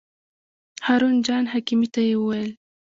هارون جان حکیمي ته یې وویل.